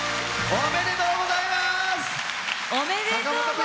おめでとうございます。